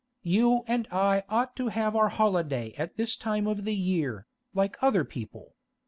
You and I ought to have our holiday at this time of the year, like other people.